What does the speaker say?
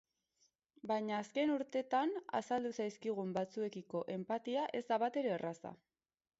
Baina azken urtetan azaldu zaizkigun batzuekiko enpatia ez da batere erraza.